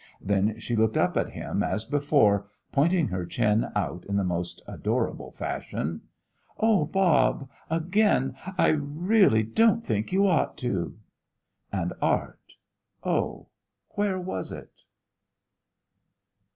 Then she looked up at him as before, pointing her chin out in the most adorable fashion. "Oh, Bob! Again! I really don't think you ought to!" And Art; oh, where was it?